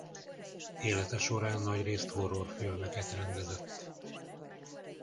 Élete során nagyrészt horrorfilmeket rendezett.